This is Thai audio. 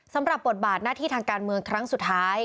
สำหรับบทบาทหน้าที่ทางการเมืองครั้งสุดท้าย